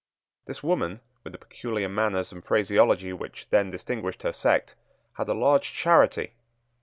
This woman, with the peculiar manners and phraseology which then distinguished her sect, had a large charity.